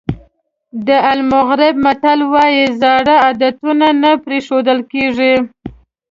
د المغرب متل وایي زاړه عادتونه نه پرېښودل کېږي.